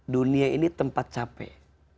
dunia ini tempat capek